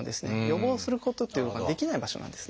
予防することっていうのができない場所なんですね。